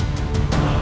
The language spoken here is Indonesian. kehidupan kalian semua